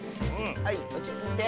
はいおちついて。